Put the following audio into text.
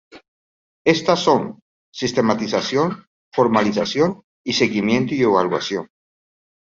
Estas son: sistematización, formalización, seguimiento y evaluación.